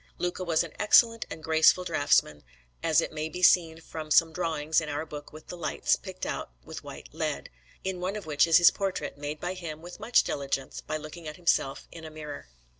Luca was an excellent and graceful draughtsman, as it may be seen from some drawings in our book with the lights picked out with white lead, in one of which is his portrait, made by him with much diligence by looking at himself in a mirror.